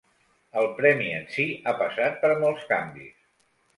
El premi en si ha passat per molts canvis.